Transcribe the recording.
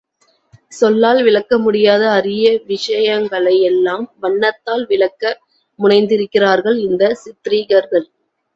சொல்லால் விளக்க முடியாத அரிய விஷயங்களை எல்லாம் வண்ணத்தால் விளக்க முனைந்திருக்கிறார்கள் இந்த சித்ரீகர்கள்.